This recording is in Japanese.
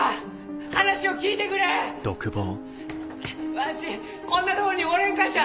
わしこんなとこにおれんがじゃ！